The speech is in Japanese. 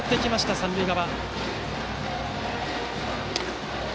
三塁側。